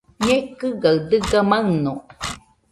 Ñekɨgaɨ dɨga maɨno